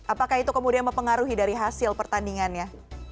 apakah itu kemudian mempengaruhi dari hasil pertandingannya